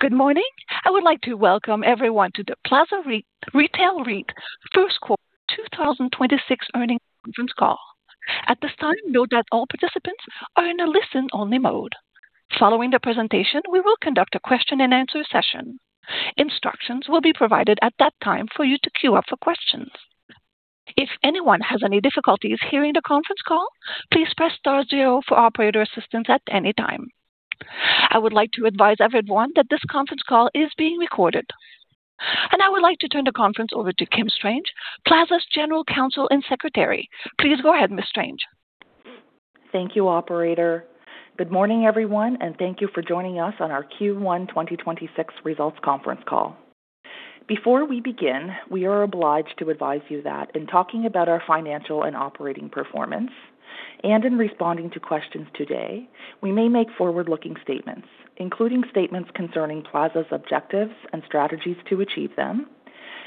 Good morning. I would like to welcome everyone to the Plaza Retail REIT first quarter 2026 earnings conference call. At this time, note that all participants are in a listen-only mode. Following the presentation, we will conduct a question-and-answer session. Instructions will be provided at that time for you to queue up for questions. If anyone has any difficulties hearing the conference call, please press star zero for operator assistance at any time. I would like to advise everyone that this conference call is being recorded. I would like to turn the conference over to Kimberly Strange, Plaza's General Counsel and Secretary. Please go ahead, Ms. Strange. Thank you, operator. Good morning, everyone, and thank you for joining us on our Q1 2026 results conference call. Before we begin, we are obliged to advise you that in talking about our financial and operating performance and in responding to questions today, we may make forward-looking statements, including statements concerning Plaza's objectives and strategies to achieve them,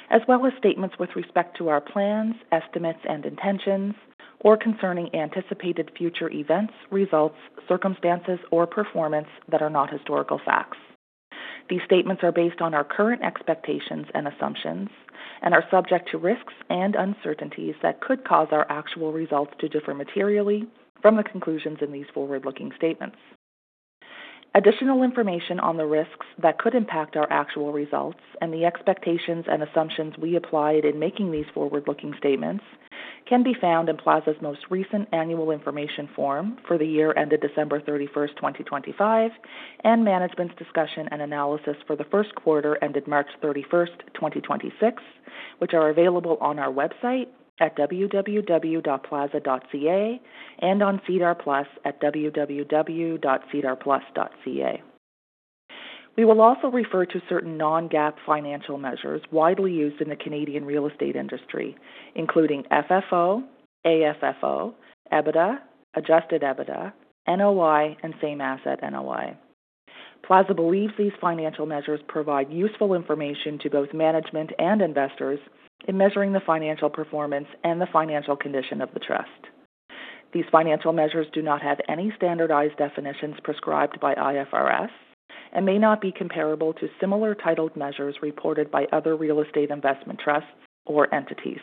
as well as statements with respect to our plans, estimates, and intentions, or concerning anticipated future events, results, circumstances, or performance that are not historical facts. These statements are based on our current expectations and assumptions and are subject to risks and uncertainties that could cause our actual results to differ materially from the conclusions in these forward-looking statements. Additional information on the risks that could impact our actual results and the expectations and assumptions we applied in making these forward-looking statements can be found in Plaza's most recent annual information form for the year ended December 31st, 2025 and management's discussion and analysis for the first quarter ended March 31st, 2026, which are available on our website at www.plaza.ca and on SEDAR+ at www.sedarplus.ca. We will also refer to certain non-GAAP financial measures widely used in the Canadian real estate industry, including FFO, AFFO, EBITDA, adjusted EBITDA, NOI, and same-asset NOI. Plaza believes these financial measures provide useful information to both management and investors in measuring the financial performance and the financial condition of the trust. These financial measures do not have any standardized definitions prescribed by IFRS and may not be comparable to similar titled measures reported by other real estate investment trusts or entities.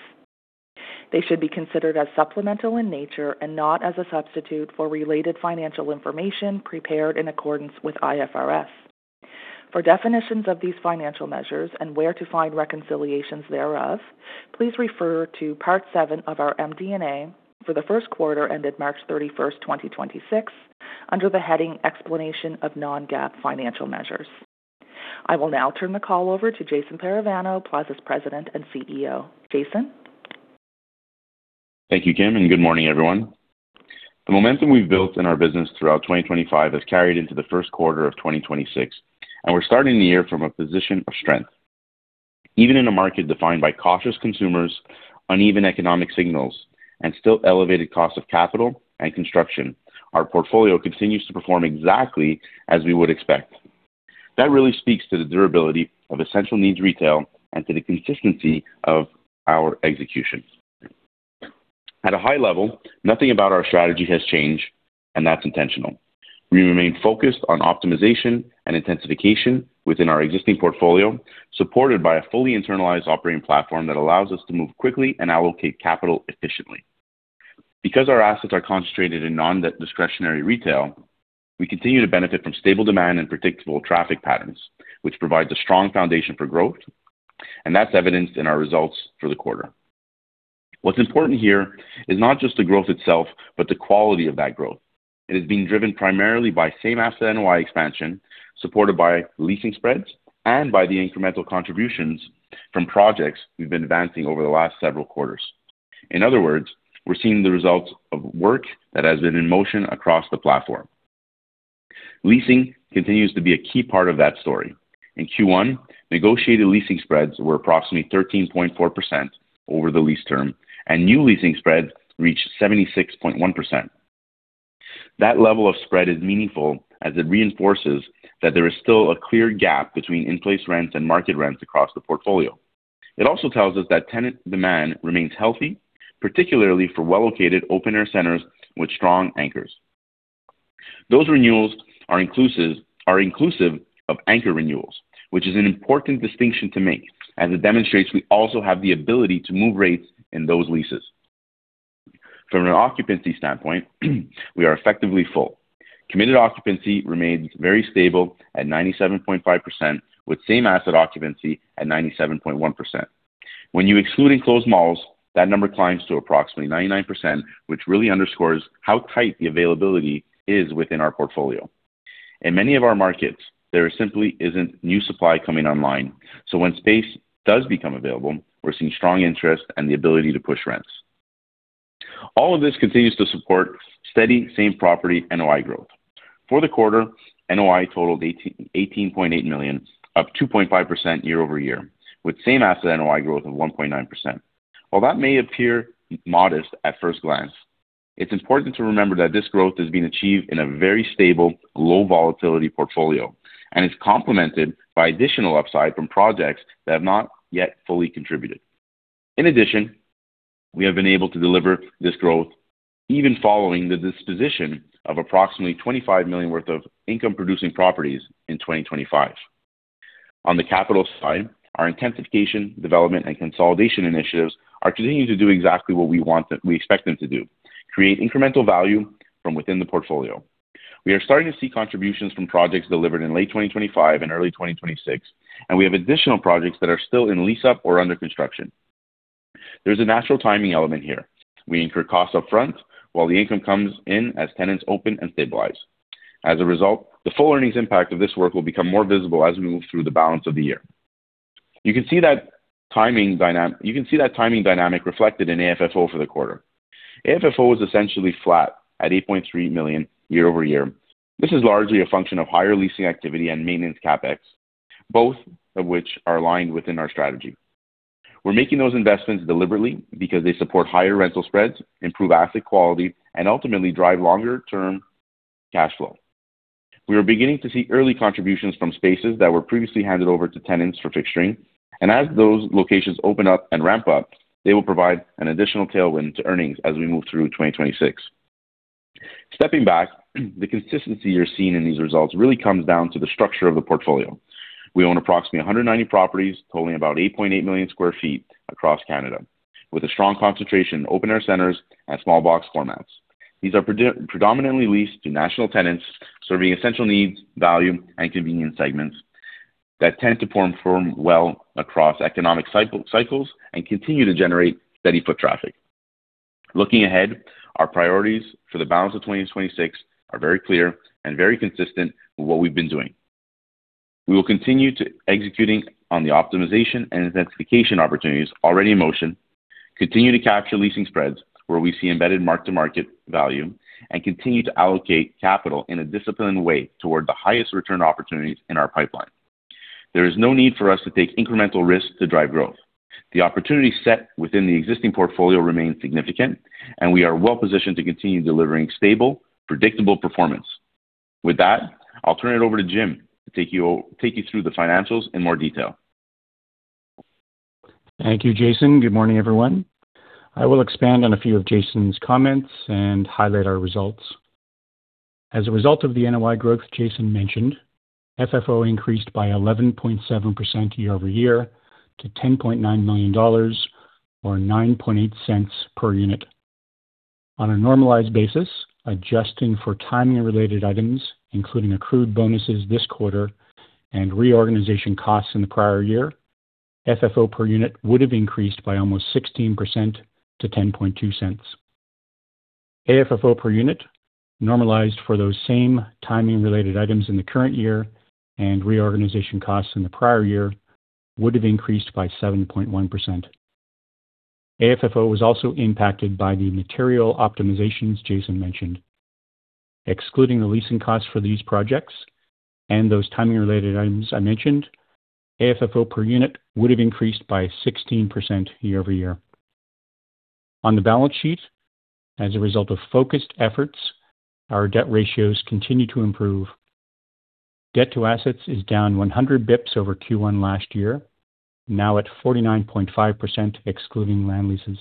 They should be considered as supplemental in nature and not as a substitute for related financial information prepared in accordance with IFRS. For definitions of these financial measures and where to find reconciliations thereof, please refer to part seven of our MD&A for the first quarter ended March 31st, 2026 under the heading explanation of Non-GAAP financial measures. I will now turn the call over to Jason Parravano, Plaza's President and Chief Executive Officer. Jason. Thank you, Kim, and good morning, everyone. The momentum we've built in our business throughout 2025 has carried into the first quarter of 2026, and we're starting the year from a position of strength. Even in a market defined by cautious consumers, uneven economic signals, and still elevated cost of capital and construction, our portfolio continues to perform exactly as we would expect. That really speaks to the durability of essential needs retail and to the consistency of our execution. At a high level, nothing about our strategy has changed, and that's intentional. We remain focused on optimization and intensification within our existing portfolio, supported by a fully internalized operating platform that allows us to move quickly and allocate capital efficiently. Because our assets are concentrated in non-discretionary retail, we continue to benefit from stable demand and predictable traffic patterns, which provides a strong foundation for growth, and that's evidenced in our results for the quarter. What's important here is not just the growth itself, but the quality of that growth. It is being driven primarily by Same-Asset NOI expansion, supported by leasing spreads and by the incremental contributions from projects we've been advancing over the last several quarters. In other words, we're seeing the results of work that has been in motion across the platform. Leasing continues to be a key part of that story. In Q1, negotiated leasing spreads were approximately 13.4% over the lease term, and new leasing spreads reached 76.1%. That level of spread is meaningful as it reinforces that there is still a clear gap between in-place rents and market rents across the portfolio. It also tells us that tenant demand remains healthy, particularly for well-located open-air centers with strong anchors. Those renewals are inclusive of anchor renewals, which is an important distinction to make as it demonstrates we also have the ability to move rates in those leases. From an occupancy standpoint, we are effectively full. Committed occupancy remains very stable at 97.5%, with same asset occupancy at 97.1%. When you exclude enclosed malls, that number climbs to approximately 99%, which really underscores how tight the availability is within our portfolio. In many of our markets, there simply isn't new supply coming online. When space does become available, we're seeing strong interest and the ability to push rents. All of this continues to support steady same-property NOI growth. For the quarter, NOI totaled 18.8 million, up 2.5% year-over-year, with Same-Asset NOI growth of 1.9%. While that may appear modest at first glance, it's important to remember that this growth is being achieved in a very stable, low-volatility portfolio and is complemented by additional upside from projects that have not yet fully contributed. In addition, we have been able to deliver this growth even following the disposition of approximately 25 million worth of income producing properties in 2025. On the capital side, our intensification development and consolidation initiatives are continuing to do exactly what we expect them to do, create incremental value from within the portfolio. We are starting to see contributions from projects delivered in late 2025 and early 2026, and we have additional projects that are still in lease up or under construction. There's a natural timing element here. We incur costs up front while the income comes in as tenants open and stabilize. As a result, the full earnings impact of this work will become more visible as we move through the balance of the year. You can see that timing dynamic reflected in AFFO for the quarter. AFFO is essentially flat at 8.3 million year-over-year. This is largely a function of higher leasing activity and maintenance CapEx, both of which are aligned within our strategy. We're making those investments deliberately because they support higher rental spreads, improve asset quality, and ultimately drive longer term cash flow. We are beginning to see early contributions from spaces that were previously handed over to tenants for fixturing. As those locations open up and ramp up, they will provide an additional tailwind to earnings as we move through 2026. Stepping back, the consistency you're seeing in these results really comes down to the structure of the portfolio. We own approximately 190 properties totaling about 8.8 million sq ft across Canada, with a strong concentration in open-air centers and small box formats. These are predominantly leased to national tenants serving essential needs, value, and convenience segments that tend to perform well across economic cycles and continue to generate steady foot traffic. Looking ahead, our priorities for the balance of 2026 are very clear and very consistent with what we've been doing. We will continue to executing on the optimization and intensification opportunities already in motion, continue to capture leasing spreads where we see embedded mark-to-market value, and continue to allocate capital in a disciplined way toward the highest return opportunities in our pipeline. There is no need for us to take incremental risk to drive growth. The opportunity set within the existing portfolio remains significant and we are well positioned to continue delivering stable, predictable performance. With that, I'll turn it over to Jim to take you through the financials in more detail. Thank you, Jason. Good morning, everyone. I will expand on a few of Jason's comments and highlight our results. As a result of the NOI growth Jason mentioned, FFO increased by 11.7% year-over-year to 10.9 million dollars or 0.098 per unit. On a normalized basis, adjusting for timing and related items, including accrued bonuses this quarter and reorganization costs in the prior year, FFO per unit would have increased by almost 16% to 0.102. AFFO per unit normalized for those same timing-related items in the current year and reorganization costs in the prior year would have increased by 7.1%. AFFO was also impacted by the material optimizations Jason mentioned. Excluding the leasing costs for these projects and those timing related items I mentioned, AFFO per unit would have increased by 16% year-over-year. On the balance sheet, as a result of focused efforts, our debt ratios continue to improve. Debt to assets is down 100 basis points over Q1 last year, now at 49.5% excluding land leases.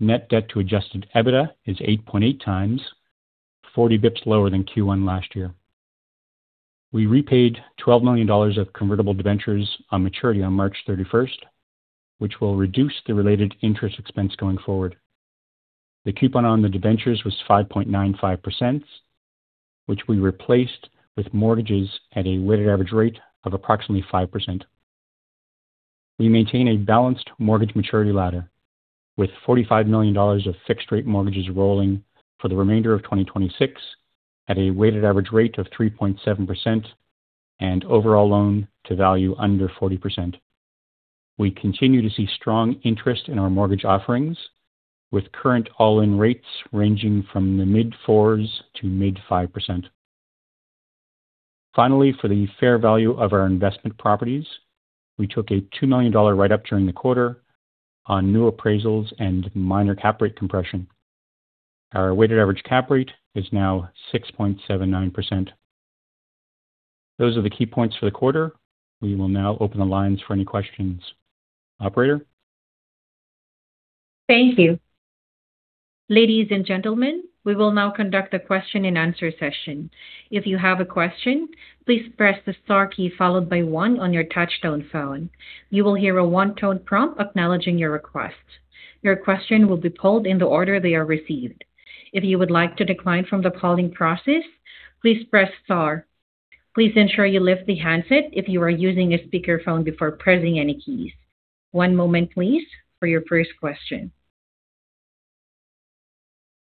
Net debt to adjusted EBITDA is 8.8x, 40 basis points lower than Q1 last year. We repaid 12 million dollars of convertible debentures on maturity on March 31st, which will reduce the related interest expense going forward. The coupon on the debentures was 5.95%, which we replaced with mortgages at a weighted average rate of approximately 5%. We maintain a balanced mortgage maturity ladder with 45 million dollars of fixed rate mortgages rolling for the remainder of 2026 at a weighted average rate of 3.7% and overall loan to value under 40%. We continue to see strong interest in our mortgage offerings with current all-in rates ranging from the mid-4% to mid-5%. Finally, for the fair value of our investment properties, we took a 2 million dollar write-up during the quarter on new appraisals and minor cap rate compression. Our weighted average cap rate is now 6.79%. Those are the key points for the quarter. We will now open the lines for any questions. Operator?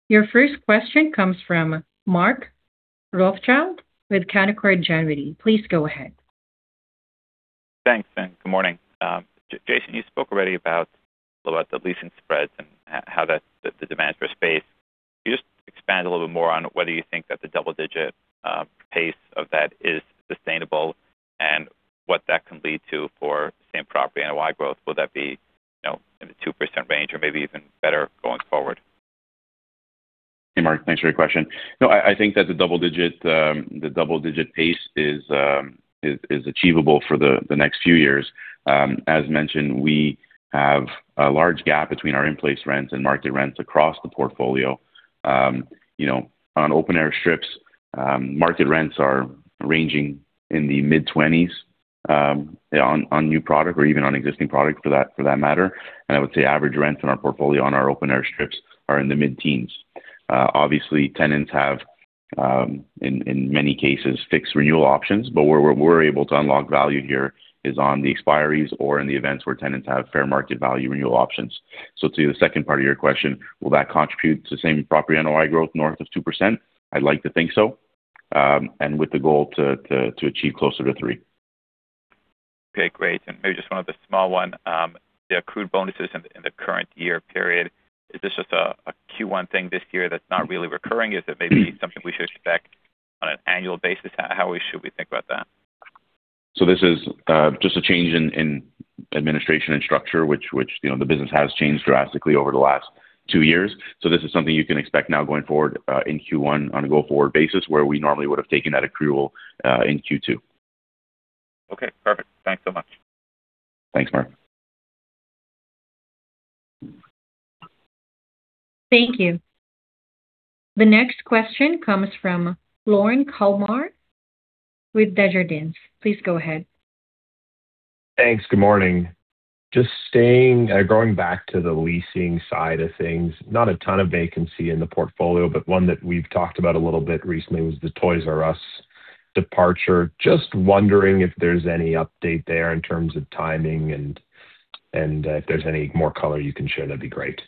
Your first question comes from Mark Rothschild with Canaccord Genuity. Please go ahead. Thanks, and good morning. Jason, you spoke already about the leasing spreads and how that, the demand for space. Can you just expand a little bit more on whether you think that the double-digit pace of that is sustainable and what that can lead to for same property NOI growth? Will that be, you know, in the 2% range or maybe even better going forward? Hey, Mark. Thanks for your question. No, I think that the double-digit pace is achievable for the next few years. As mentioned, we have a large gap between our in-place rents and market rents across the portfolio. You know, on open air strips, market rents are ranging in the mid-20s, on new product or even on existing product for that matter. I would say average rents in our portfolio on our open air strips are in the mid-teens. Obviously, tenants have in many cases, fixed renewal options, but where we're able to unlock value here is on the expiries or in the events where tenants have fair market value renewal options. To the second part of your question, will that contribute to same-property NOI growth north of 2%? I'd like to think so, and with the goal to achieve closer to 3%. Okay, great. Maybe just one other small one. The accrued bonuses in the current year period, is this just a Q1 thing this year that's not really recurring? Is it maybe something we should expect on an annual basis? How should we think about that? This is just a change in administration and structure, which, you know, the business has changed drastically over the last two years. This is something you can expect now going forward, in Q1 on a go-forward basis, where we normally would have taken that accrual, in Q2. Okay, perfect. Thanks so much. Thanks, Mark. Thank you. The next question comes from Lorne Kalmar with Desjardins. Please go ahead. Thanks. Good morning. Just staying, going back to the leasing side of things, not a ton of vacancy in the portfolio, but one that we've talked about a little bit recently was the Toys R Us departure. Just wondering if there's any update there in terms of timing and, if there's any more color you can share, that'd be great?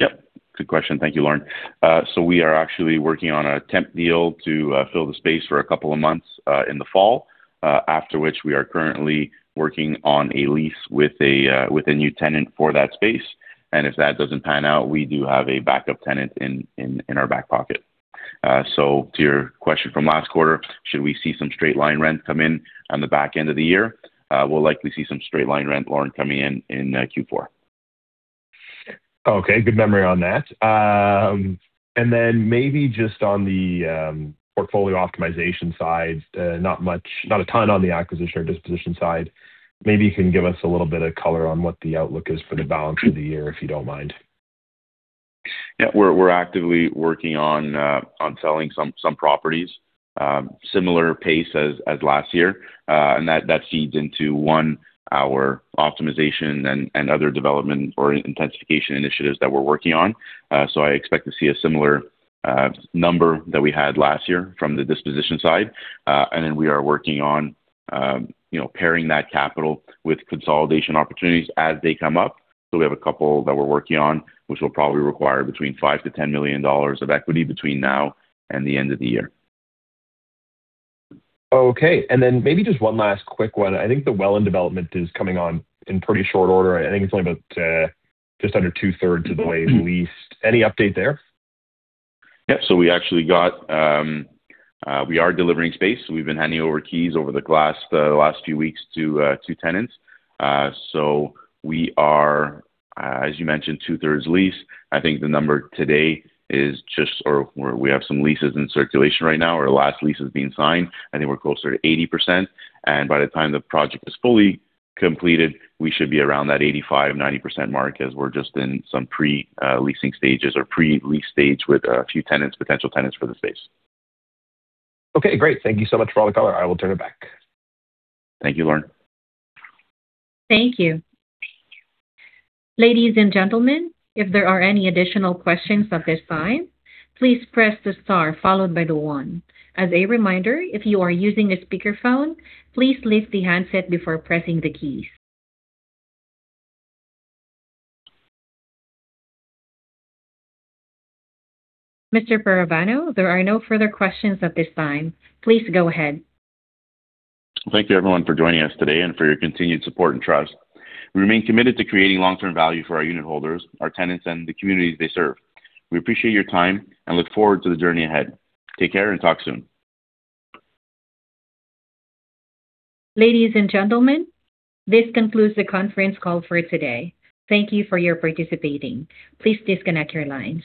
Yep. Good question. Thank you, Lorne. We are actually working on a temp deal to fill the space for a couple of months in the fall, after which we are currently working on a lease with a new tenant for that space. If that doesn't pan out, we do have a backup tenant in our back pocket. To your question from last quarter, should we see some straight line rent come in on the back end of the year? We'll likely see some straight line rent, Lorne, coming in in Q4. Okay, good memory on that. Maybe just on the portfolio optimization side, not much, not a ton on the acquisition or disposition side. Maybe you can give us a little bit of color on what the outlook is for the balance of the year, if you don't mind. Yeah. We're actively working on selling some properties, similar pace as last year. That feeds into, one, our optimization and other development or intensification initiatives that we're working on. I expect to see a similar number that we had last year from the disposition side. Then we are working on, you know, pairing that capital with consolidation opportunities as they come up. We have a couple that we're working on, which will probably require between 5 million-10 million dollars of equity between now and the end of the year. Okay. Maybe just one last quick one. I think the Wellen development is coming on in pretty short order. I think it's only about just under two-thirds of the way leased. Any update there? Yep. We actually are delivering space. We've been handing over keys the last few weeks to tenants. We are, as you mentioned, two-thirds leased. We have some leases in circulation right now, or last leases being signed. I think we're closer to 80%. By the time the project is fully completed, we should be around that 85%, 90% mark as we're just in some pre-leasing stages or pre-lease stage with a few tenants, potential tenants for the space. Okay, great. Thank you so much for all the color. I will turn it back. Thank you, Lorne. Thank you. Ladies and gentlemen, if there are any additional questions at this time, please press star one. As a reminder, if you are using a speakerphone, please lift the handset before pressing the keys. Mr. Parravano, there are no further questions at this time. Please go ahead. Thank you everyone for joining us today and for your continued support and trust. We remain committed to creating long-term value for our unitholders, our tenants, and the communities they serve. We appreciate your time and look forward to the journey ahead. Take care and talk soon. Ladies and gentlemen, this concludes the conference call for today. Thank you for your participation. Please disconnect your lines.